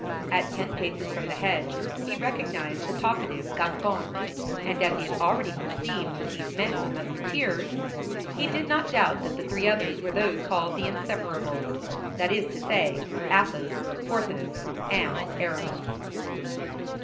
At ten paces from the hedge he recognized the talkative Gascon; and as he had already perceived that these men were Musketeers, he did not doubt that the three others were those called the Inseparables; that is to say, Athos, Porthos, and Aramis.